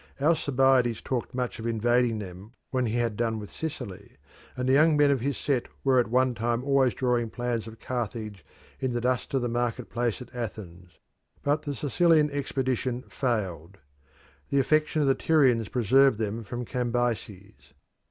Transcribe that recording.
Alcibiades talked much of invading them when he had done with Sicily, and the young men of his set were at one time always drawing plans of Carthage in the dust of the market place at Athens; but the Sicilian expedition failed. The affection of the Tyrians preserved them from Cambyses.